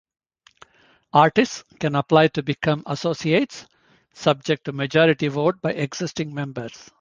Artists can apply to become 'Associates', subject to majority vote by existing members.